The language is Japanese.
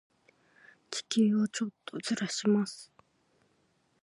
地球をちょっとずらします。